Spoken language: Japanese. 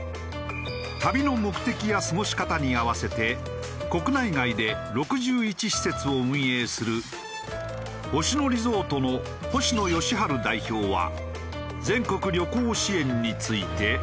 旅の目的や過ごし方に合わせて国内外で６１施設を運営する星野リゾートの星野佳路代表は。